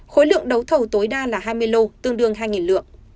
khối lượng đấu thầu tối đa là hai mươi lô tương đương hai lượng